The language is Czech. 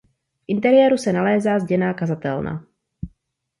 V interiéru se nalézá zděná kazatelna.